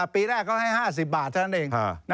ปีแรกเขาให้๕๐บาทเท่านั้นเอง